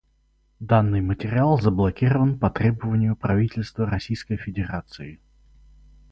Данный материал заблокирован по требованию Правительства Российской Федерации.